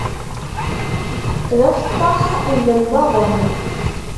D afeṭṭaḥ n lembaḍen.